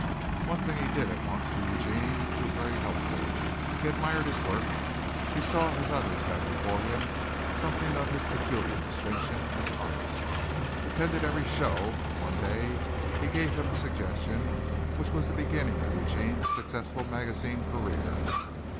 One thing he did at once for Eugene which was very helpful: he admired his work. He saw, as had others before him, something of his peculiar distinction as an artist, attended every show and one day he gave him a suggestion which was the beginning of Eugene's successful magazine career.